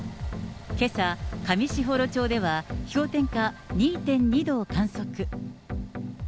けさ、上士幌町では氷点下２．２度を観測。